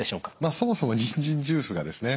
そもそもにんじんジュースがですね